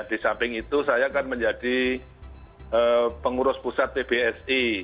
di samping itu saya akan menjadi pengurus pusat pbsi